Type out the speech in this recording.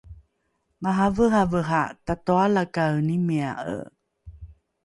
maraveravera tatoalakaenimia’e